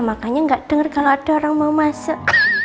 makanya gak denger kalau ada orang mau masuk